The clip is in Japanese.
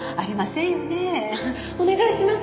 お願いします。